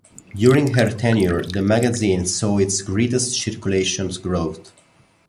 During her tenure, the magazine saw its greatest circulation growth.